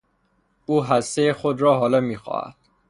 او حصهی خود را حالا میخواهد!